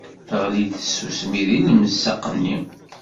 Teɣli-d tsusmi deg lemsaq-nni.